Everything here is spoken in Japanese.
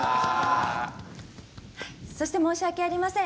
そして、申し訳ありません。